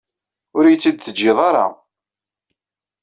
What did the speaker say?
Ur iyi-tt-id-teǧǧiḍ ara.